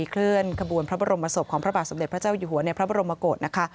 เคลื่อนขบวนพระบรมศพของพระบาทสมเด็จพระเจ้าอยู่หัวในพระบรมกฏนะคะ